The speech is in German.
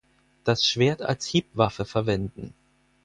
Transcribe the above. Das Schwert als Hiebwaffe verwenden.